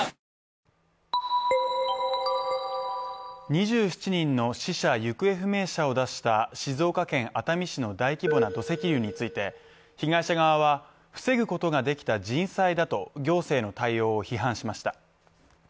２７人の死者・行方不明者を出した静岡県熱海市の大規模な土石流について被害者側は防ぐことができた人災だと行政の対応を批判しました。